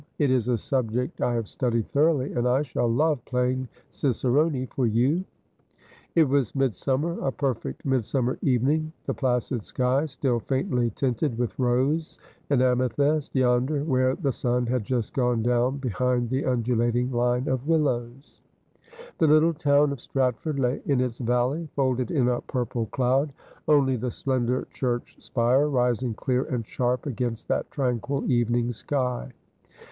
It is a subject I have studied thoroughly, and I shall love playing cicerone for you.' ''Ay Fleth the Time, it wol no Man Ahide.^ 263 It was midsummer, a perfect midsummer evening, the placid sky still faintly tinted with rose and amethyst yonder where the sun had just gone down behind the undulating line of willows. The little town of Stratford lay in its valley, folded in a purple cloud, only the slender church spire rising clear and sharp against that tranquil evening sky.